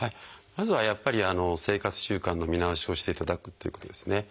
まずはやっぱり生活習慣の見直しをしていただくっていうことですね。